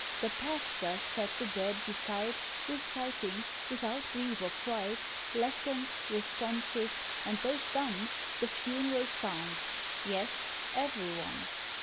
The pastor sat the dead beside, Reciting, without grief or pride, Lessons, responses, and those done, The funeral psalms; yes, every one.